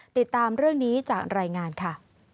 ติดตามเรื่องนี้จากรายงานค่ะ